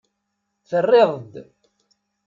Terriḍ-d.